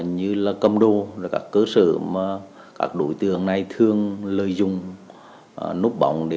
như là cầm đồ các cơ sở mà các đối tượng này thường lợi dụng